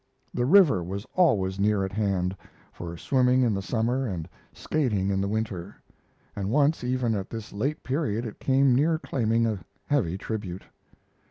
The river was always near at hand for swimming in the summer and skating in the winter and once even at this late period it came near claiming a heavy tribute.